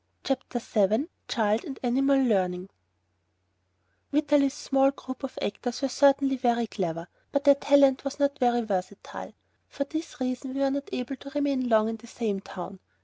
CHAPTER VII CHILD AND ANIMAL LEARNING Vitalis' small group of actors were certainly very clever, but their talent was not very versatile. For this reason we were not able to remain long in the same town.